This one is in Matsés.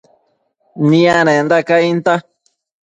nianenda cainta